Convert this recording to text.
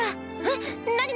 えっ何何？